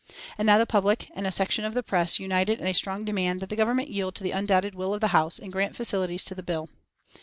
And now the public and a section of the press united in a strong demand that the Government yield to the undoubted will of the House and grant facilities to the bill.